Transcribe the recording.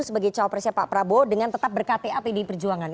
sebagai cawapresnya pak prabowo dengan tetap berkata pdi perjuangan